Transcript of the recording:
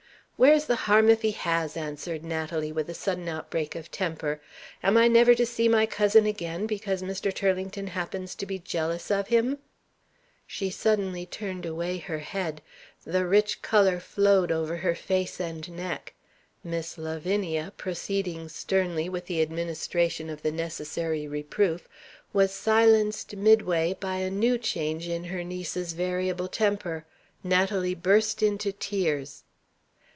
"Where is the harm if he has?" answered Natalie, with a sudden outbreak of temper. "Am I never to see my cousin again, because Mr. Turlington happens to be jealous of him?" She suddenly turned away her head. The rich color flowed over her face and neck. Miss Lavinia, proceeding sternly with the administration of the necessary reproof, was silenced midway by a new change in her niece's variable temper. Natalie burst into tears.